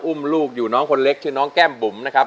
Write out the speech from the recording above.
อุ้มลูกอยู่น้องคนเล็กชื่อน้องแก้มบุ๋มนะครับ